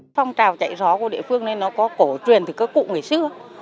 phong trào chạy gió của địa phương này nó có cổ truyền từ các cụ ngày xưa